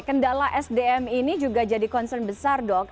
kendala sdm ini juga jadi concern besar dok